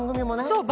そう。